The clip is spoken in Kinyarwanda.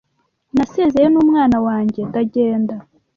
nasezeye n’umwana wanjye ndagenda